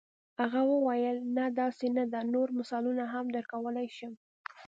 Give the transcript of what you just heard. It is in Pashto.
هغه وویل نه داسې نه ده نور مثالونه هم درکولای شم.